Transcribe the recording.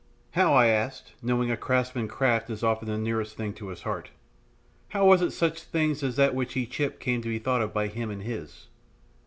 How, I asked, knowing a craftsman's craft is often nearest to his heart, how was it such things as that he chipped came to be thought of by him and his?